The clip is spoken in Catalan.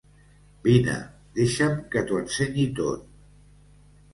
Vine, deixa'm que t'ho ensenyi tot.